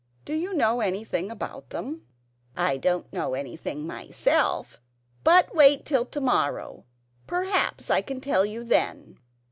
Do you know anything about them?" "I don't know anything myself, but wait till to morrow. Perhaps I can tell you then."